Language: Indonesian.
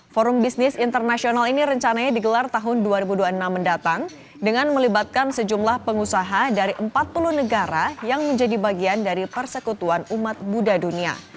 forum bisnis internasional ini rencananya digelar tahun dua ribu dua puluh enam mendatang dengan melibatkan sejumlah pengusaha dari empat puluh negara yang menjadi bagian dari persekutuan umat buddha dunia